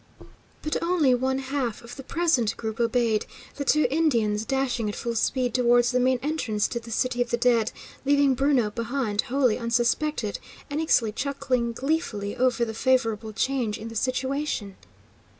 But only one half of the present group obeyed, the two Indians dashing at full speed towards the main entrance to the city of the dead, leaving Bruno behind, wholly unsuspected, and Ixtli chuckling gleefully over the favourable change in the situation.